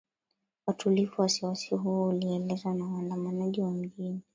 watulivu Wasiwasi huo ulielezewa na waandamanaji wa mjini